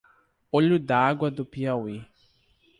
Olho d'Água do Piauí